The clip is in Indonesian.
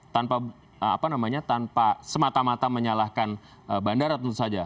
tanpa semata mata menyalahkan bandara tentu saja